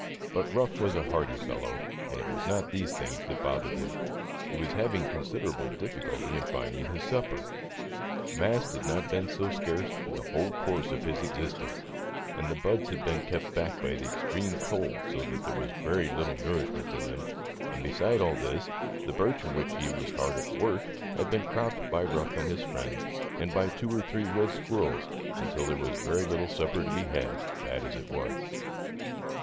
But Ruff was a hardy fellow and it was not these things that bothered him ; he was having considerable difficulty in finding his sup per. Mast had not been so scarce in the whole course of his existence, and the buds had been kept back by the extreme cold so that there was very little nourishment in them, and beside all this the birch in which he was hard at work had been cropped by Euff and his friends and by two or three red squirrels, until there was very little supper to be had, bad as it was.